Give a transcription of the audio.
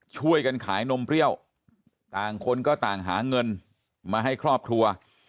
ช่วยกันขายนมเปรี้ยวต่างคนก็ต่างหาเงินมาให้ครอบครัว